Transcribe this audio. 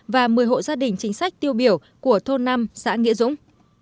và một mươi hộ gia đình chính sách tiêu biểu của thôn năm xã nghĩa dũng